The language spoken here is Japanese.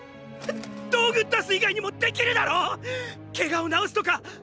道具出す以外にもできるだろ⁉ケガを治すとか！